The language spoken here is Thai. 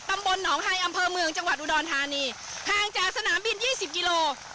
ตำบลหนองไฮอำเภอเมืองจังหวัดอุดรธานีห่างจากสนามบินยี่สิบกิโล